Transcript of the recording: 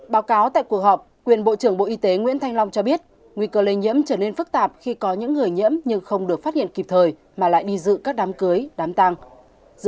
báo cáo tại cuộc họp quyền bộ trưởng bộ y tế nguyễn thanh long cho biết nguy cơ lây nhiễm trở nên phức tạp khi có những người nhiễm nhưng không được phát hiện kịp thời mà lại đi dự các đám cưới đám tăng